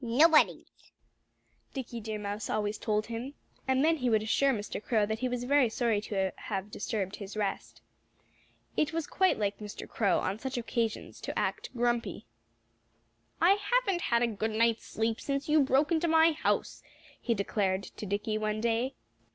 "Nobody's!" Dickie Deer Mouse always told him. And then he would assure Mr. Crow that he was very sorry to have disturbed his rest. It was quite like Mr. Crow, on such occasions, to act grumpy. "I haven't had a good night's sleep since you broke into my house," he declared to Dickie one day.